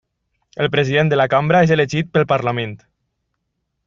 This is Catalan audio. El president de la cambra és elegit pel Parlament.